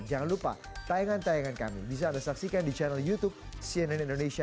jangan lupa tayangan tayangan kami bisa anda saksikan di channel youtube cnn indonesia